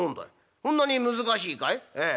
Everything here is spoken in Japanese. そんなに難しいかい？」。